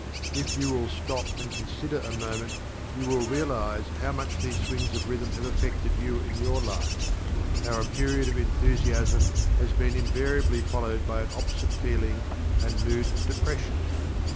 If you will stop and consider a moment, you will realize how much these swings of Rhythm have affected you in your life how a period of Enthusiasm has been invariably followed by an opposite feeling and mood of Depression.